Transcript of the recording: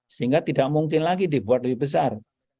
sehingga tidak mungkin lagi dibuat lebih besar